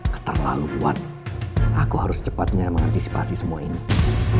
keterlaluan aku harus cepatnya mengantisipasi semua ini